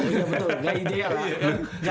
iya betul nggak ideal